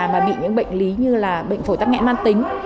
mà bị những bệnh lý như là bệnh phổi tắc nghẽn man tính